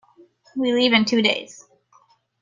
We leave in two days.